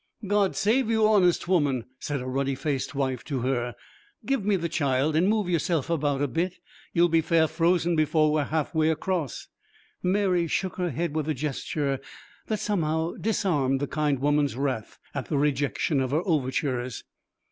'God save you, honest woman,' said a ruddy faced wife to her. 'Give me the child, and move yourself about a bit. You'll be fair frozen before we're half way across.' Mary shook her head with a gesture that somehow disarmed the kind woman's wrath at the rejection of her overtures.